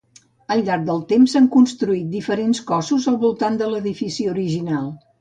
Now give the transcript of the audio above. Al llarg del temps s'han construït diferents cossos al voltant de l'edifici original.